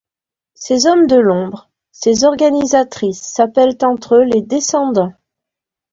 Ces hommes de l’ombre, ces organisatrices s’appellent entre eux les Descendants.